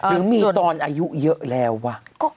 หรือมีตอนอายุเยอะแล้ววะ